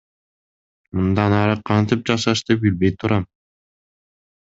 Мындан ары кантип жашашты билбей турам.